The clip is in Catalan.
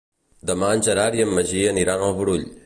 Demà en Gerard i en Magí aniran al Brull.